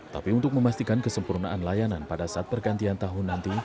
tapi untuk memastikan kesempurnaan layanan pada saat pergantian tahun nanti